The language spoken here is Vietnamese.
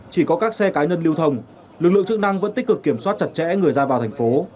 chỉ có các xe cá nhân lưu thông lực lượng chức năng vẫn tích cực kiểm soát chặt chẽ người ra vào thành phố